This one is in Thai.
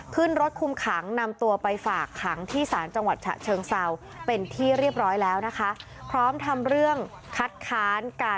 ขึ้นรถคุมขังนำตัวไปฝากขังที่ศาลจังหวัดฉะเชิงเซา